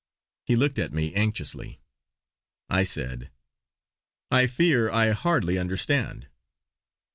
He looked at me anxiously; I said: "I fear I hardly understand?"